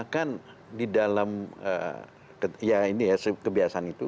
kan di dalam ya ini ya kebiasaan itu